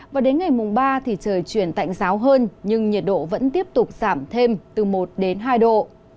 và đến ngày mùng ba thì trời chuyển tạnh giáo hơn nhưng nhiệt độ vẫn tiếp tục giảm thêm từ một đến hai độ